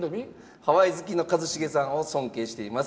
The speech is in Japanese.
「ハワイ好きの一茂さんを尊敬しています」